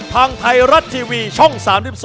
ทางไทยรัฐทีวีช่อง๓๒